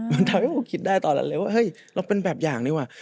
มันทำให้ผมคิดได้ตอนนั้นเลยว่าเฮ้ยเราเป็นแบบอย่างดีกว่า